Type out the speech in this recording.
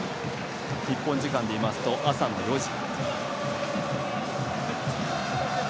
日本時間でいいますと朝の４時。